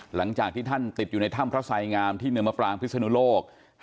หลังจากที่ท่านติดอยู่ในถ้ำพระไสงามที่เนินมะปรางพิศนุโลก